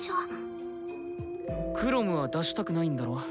「くろむ」は出したくないんだろ。